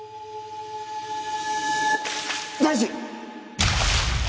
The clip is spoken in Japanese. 大臣！